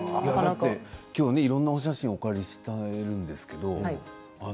今日いろんなお写真をお借りしているんですけど。